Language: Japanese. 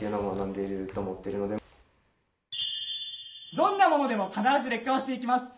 どんなものでも必ず劣化はしていきます。